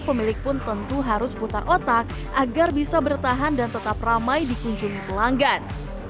pemilik pun tentu harus putar otak agar bisa bertahan dan tetap ramai dikunjungi pelanggan